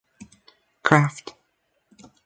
Craft.